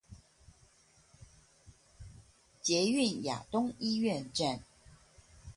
捷運亞東醫院站